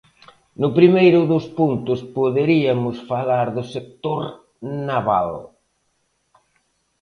No primeiro dos puntos poderiamos falar do sector naval.